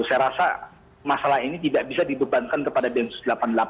saya rasa masalah ini tidak bisa dibebankan kepada densus delapan puluh delapan